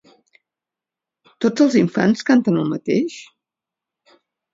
Tots els infants canten el mateix?